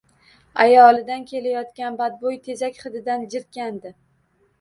Ayolidan kelayotgan badboʻy tezak hididan jirkandi.